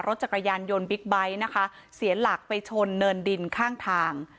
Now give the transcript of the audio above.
รถจักรยานยนต์บิ๊กไบท์นะคะเสียหลักไปชนเนินดินข้างทาง